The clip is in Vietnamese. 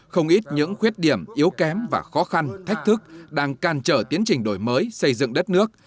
không ít những khuyết điểm yếu kém và khó khăn thách thức đang càn trở tiến trình đổi mới xây dựng đất nước